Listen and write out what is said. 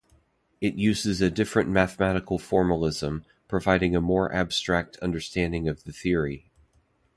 It uses a different mathematical formalism, providing a more abstract understanding of the theory.